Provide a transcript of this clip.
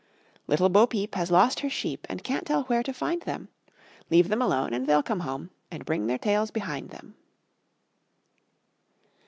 Little Bo peep has lost her sheep, And can't tell where to find them; Leave them alone, and they'll come home, And bring their tails behind them.